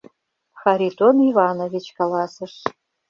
— Харитон Иванович каласыш.